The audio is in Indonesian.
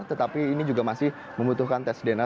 tetapi ini juga masih membutuhkan tes dna